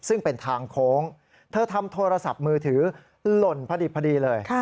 ซึ่งเป็นทางโค้งเธอทำโทรศัพท์มือถือหล่นพอดีเลย